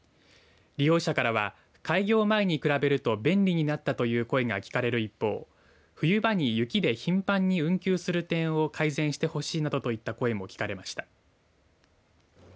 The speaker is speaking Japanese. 利用者からは開業前に比べると便利になったという声が聞かれる一方冬場に雪で頻繁に運休する点を改善してほしいなどといった声も聞かれました。